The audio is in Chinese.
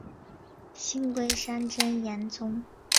信贵山真言宗。